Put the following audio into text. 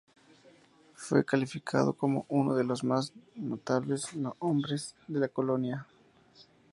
Fue calificado como "uno de los más notables hombres de la Colonia".